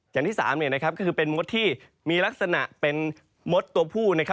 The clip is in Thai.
อย่างที่๓มีลักษณะเป็นมสตัวผู้